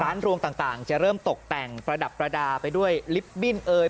รวงต่างจะเริ่มตกแต่งประดับประดาษไปด้วยลิฟต์บิ้นเอ่ย